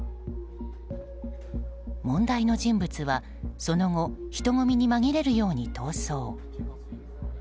問題の人物はその後人混みに紛れるように逃走。